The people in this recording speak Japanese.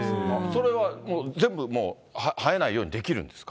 それは全部もう生えないようにできるんですか？